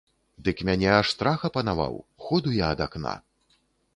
Дык мяне аж страх апанаваў, ходу я ад акна.